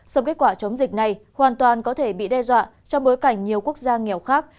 sông kết quả chống dịch này hoàn toàn có thể bị đe dọa trong bối cảnh nhiều quốc gia nghèo khác